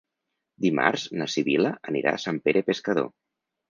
Dimarts na Sibil·la anirà a Sant Pere Pescador.